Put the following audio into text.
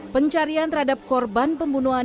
pencarian terhadap korban pembunuhan